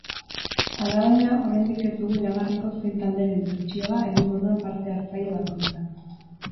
Alabaina, oraindik ez dugu iragarriko zein talderen bertsioa egingo duen parte-hartzaile bakoitzak.